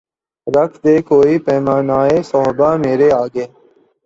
رکھ دے کوئی پیمانۂ صہبا مرے آگے